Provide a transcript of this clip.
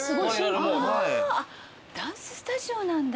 ダンススタジオなんだ。